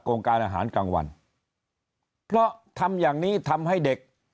การอาหารกลางวันเพราะทำอย่างนี้ทำให้เด็ก